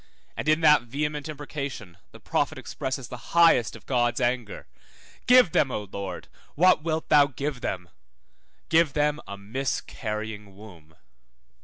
And in that vehement imprecation, the prophet expresses the highest of God's anger, Give them, O Lord, what wilt thou give them? give them a miscarrying womb.